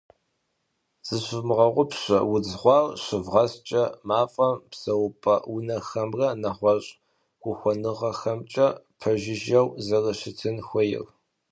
Зыщывмыгъэгъупщэ, удз гъуар щывгъэскӏэ мафӏэм псэупӏэ унэхэмрэ нэгъуэщӏ ухуэныгъэхэмкӏэ пэжыжьэу зэрыщытын хуейр.